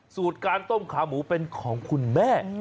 สูตรการต้มขาหมูเป็นของคุณแม่